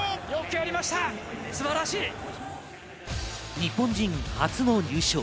日本人初の入賞。